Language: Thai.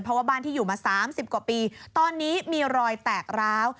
เพราะว่าบ้านที่อยู่มา๓๐กว่าปีตอนนี้มีรอยแตกร้าว